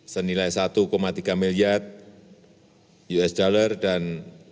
senilai satu tiga miliar usd dan